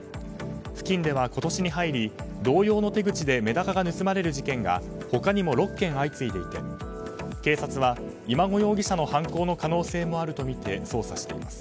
付近では今年に入り同様の手口でメダカが盗まれる事件が他にも６件相次いでいて警察は今後容疑者の犯行の可能性もあるとみて捜査しています。